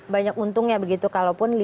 banyak untungnya begitu